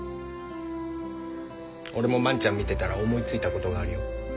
俺も万ちゃん見てたら思いついたことがあるよ。